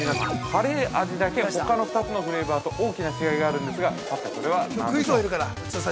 カレー味だけほかの２つのフレーバーと大きな違いがあるんですがさて、それは何でしょう？